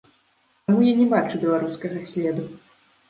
Таму я не бачу беларускага следу.